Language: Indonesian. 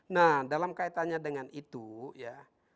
nah dalam kaitannya dengan itu ya